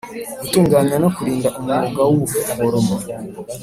gutunganya no kurinda umwuga w ubuforomo